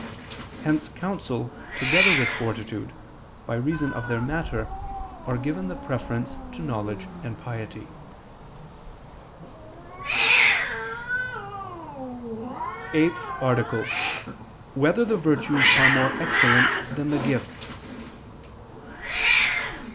Hence counsel together with fortitude, by reason of their matter, are given the preference to knowledge and piety. ________________________ EIGHTH ARTICLE [I II, Q. 68, Art. 8] Whether the Virtues Are More Excellent Than the Gifts?